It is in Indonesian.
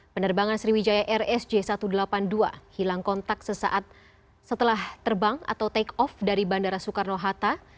penerbangan sriwijaya rsj satu ratus delapan puluh dua hilang kontak sesaat setelah terbang atau take off dari bandara soekarno hatta